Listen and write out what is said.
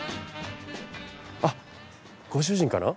あっご主人かな？